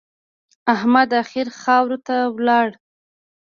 احمد اخير خاورو ته ولاړ.